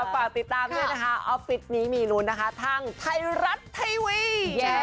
ฝากติดตามด้วยนะคะออฟฟิศนี้มีลุ้นนะคะทางไทยรัฐทีวี